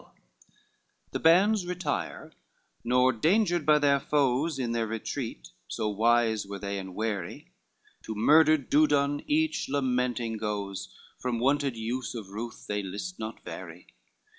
LIV The hands retire, not dangered by their foes In their retreat, so wise were they and wary, To murdered Dudon each lamenting goes, From wonted use of ruth they list not vary.